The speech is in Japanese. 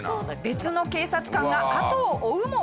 別の警察官が後を追うも。